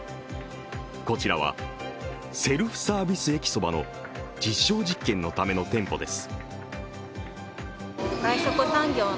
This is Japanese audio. こちらはセルフサービス駅そばの実証実験のための店舗です。